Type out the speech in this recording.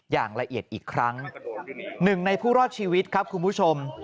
อย่างละเอียดอีกครั้งหนึ่งในผู้รอดชีวิตครับคุณผู้ชม